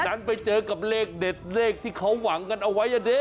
ดันไปเจอกับเลขเด็ดเลขที่เขาหวังกันเอาไว้อ่ะดิ